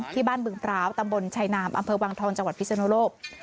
ที่บ้านบึงพร้าวตำบลชายนามอัมเภอวังทรองจพิศนุโลก